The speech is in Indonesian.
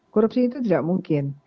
korupsi itu tidak mungkin